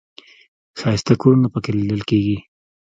ښایسته کورونه په کې لیدل کېږي.